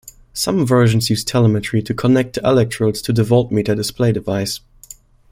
Some versions use telemetry to connect the electrodes to the voltmeter display device.